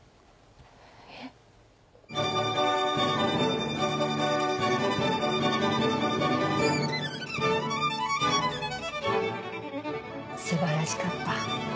えっ？素晴らしかった。